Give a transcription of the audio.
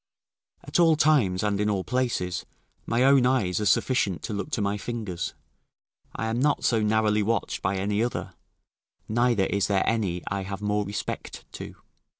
At all times, and in all places, my own eyes are sufficient to look to my fingers; I am not so narrowly watched by any other, neither is there any I have more respect to.